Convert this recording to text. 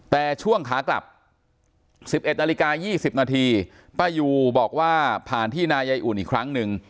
แต่ช่วงขากลับ๑๑นาฬิกา๒๐นาทีป้ายูบอกว่าผ่านที่นายายอุ่นอีกครั้งหนึ่ง